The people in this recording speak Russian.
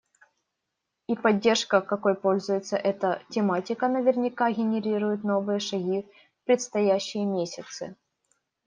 И поддержка, какой пользуется эта тематика, наверняка генерирует новые шаги в предстоящие месяцы.